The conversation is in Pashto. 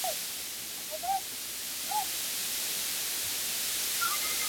د جهاني دغه غزل دي له نامه ښکلې ده!!